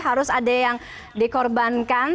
harus ada yang dikorbankan